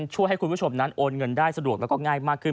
ช่วยให้คุณผู้ชมนั้นโอนเงินได้สะดวกแล้วก็ง่ายมากขึ้น